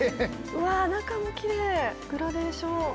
うわ中もキレイグラデーション。